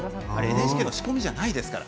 ＮＨＫの仕込みではないですから。